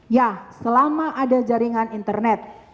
ya selama ada jaringan internet